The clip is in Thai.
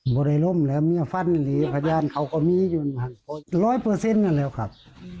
บริลมแล้วเมียฟันหรือพระญาณเขาก็มีอยู่ร้อยเปอร์เซ็นต์นั่นแล้วครับ